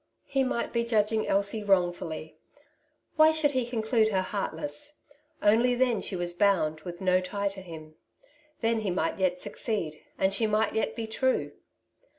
He might be judging Elsie wrongfully ; why should he conclude her heartless ? only then she was bound with no tie to him. Then he might yet succeed, and she might yet be true.